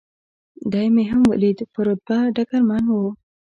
دی مې هم ولید، په رتبه ډګرمن و.